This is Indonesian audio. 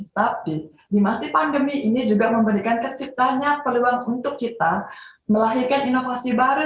tapi di masa pandemi ini juga memberikan terciptanya peluang untuk kita melahirkan inovasi baru